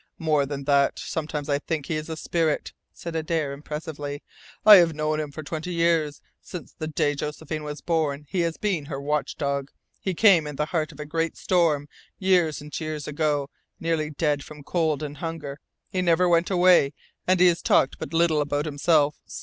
"More than that. Sometimes I think he is a spirit," said Adare impressively. "I have known him for twenty years. Since the day Josephine was born he has been her watch dog. He came in the heart of a great storm, years and years ago, nearly dead from cold and hunger. He never went away, and he has talked but little about himself.